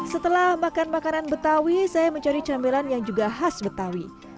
setelah makan makanan betawi saya mencari camilan yang juga khas betawi